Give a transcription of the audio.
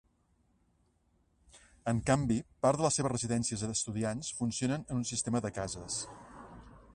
En canvi, part de les seves residències d'estudiants, funcionen en un sistema de cases.